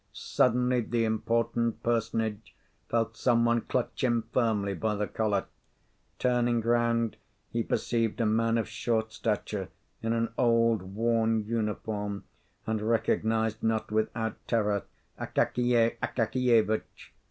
Suddenly the important personage felt some one clutch him firmly by the collar. Turning round, he perceived a man of short stature, in an old, worn uniform, and recognised, not without terror, Akakiy Akakievitch.